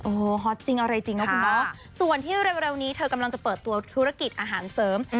โอ้โหฮอตจริงอะไรจริงนะคุณเนาะส่วนที่เร็วนี้เธอกำลังจะเปิดตัวธุรกิจอาหารเสริม